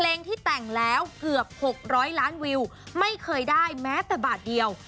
เพลงที่แต่งแล้วเกือบ๖๐๐ล้านวิวไม่เคยได้แม้แต่บาทเดียว